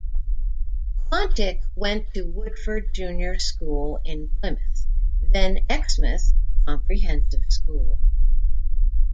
Quantick went to Woodford Junior School in Plymouth, then Exmouth Comprehensive School.